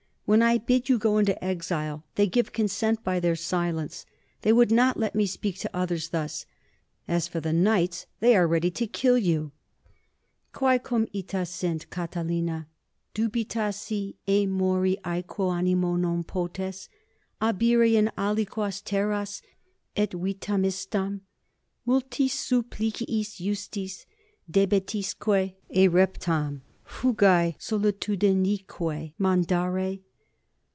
When I bid you go into exile, they give consent by their silence. They would not let me speak to others thus. As for the knights, they are ready to kill you._ Quae cum ita sint, Catilina, dubitas, si emori aequo animo non 20 potes, abire in aliquas terras et vitam istam, multis suppliciis iustis debitisque ereptam, fugae solitudinique mandare?